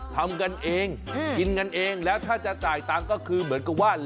ทำกันเองกินกันเองแล้วถ้าจะจ่ายตังค์ก็คือเหมือนกับว่า